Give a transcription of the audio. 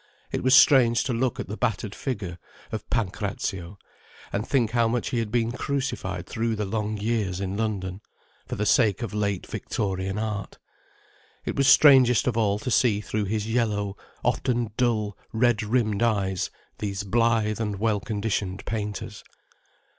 It was strange to look at the battered figure of Pancrazio, and think how much he had been crucified through the long years in London, for the sake of late Victorian art. It was strangest of all to see through his yellow, often dull, red rimmed eyes these blithe and well conditioned painters.